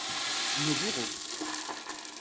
Nos bureaux.